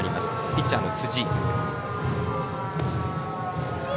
ピッチャーの辻。